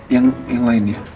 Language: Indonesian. yang lain ya